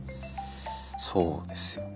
そうですよね。